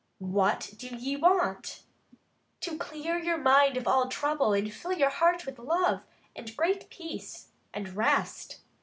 "What do ye want?" "To clear your mind of all trouble, and fill your heart with love, and great peace, and rest.